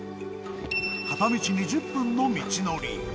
片道２０分の道のり。